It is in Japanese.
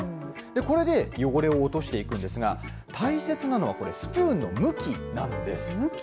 これで汚れを落としていくんですが、大切なのはこれ、スプーンの向きなんです。